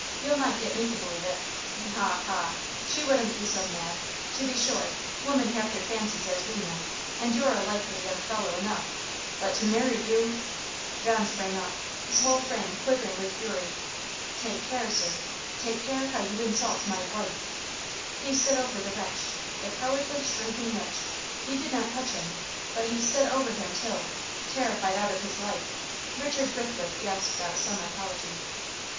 you'll not get me to believe it ha! ha! She wouldn't be so mad. To be sure, women have their fancies, as we know, and you're a likely young fellow enough; but to marry you " John sprang up his whole frame quivering with fury. "Take care, sir; take care how you insult my WIFE!" He stood over the wretch the cowardly shrinking wretch he did not touch him, but he stood over him till, terrified out of his life, Richard Brithwood gasped out some apology.